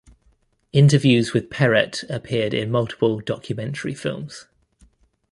Interviews with Perrett appeared in multiple documentary films.